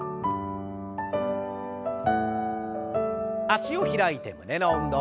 脚を開いて胸の運動。